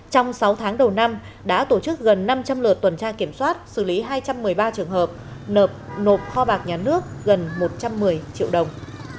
trong sáu tháng đầu năm đã tổ chức gần năm trăm linh lượt tuần tra kiểm soát xử lý hai trăm một mươi ba trường hợp nộp kho bạc nhà nước gần một trăm một mươi triệu đồng